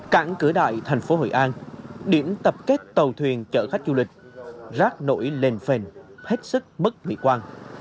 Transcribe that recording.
cảng cửa đại thành phố hội an điểm tập kết tàu thuyền chở khách du lịch rác nổi lên phèn hết sức mất mỹ quan